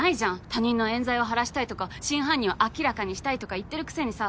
他人のえん罪を晴らしたいとか真犯人を明らかにしたいとか言ってるくせにさ